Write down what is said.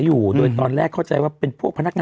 ยังไงยังไงยังไงยังไงยังไง